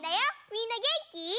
みんなげんき？